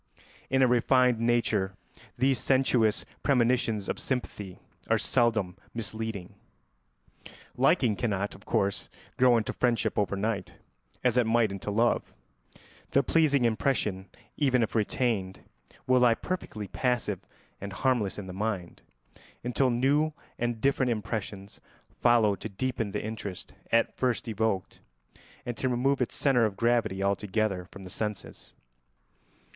In a refined nature these sensuous premonitions of sympathy are seldom misleading. Liking cannot, of course, grow into friendship over night as it might into love; the pleasing impression, even if retained, will lie perfectly passive and harmless in the mind, until new and different impressions follow to deepen the interest at first evoked and to remove its centre of gravity altogether from the senses.